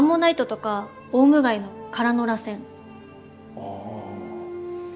ああ。